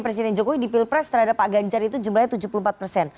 presiden jokowi di pilpres terhadap pak ganjar itu jumlahnya tujuh puluh empat persen